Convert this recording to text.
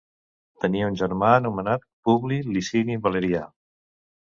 Tenia un germà anomenat Publi Licini Valerià.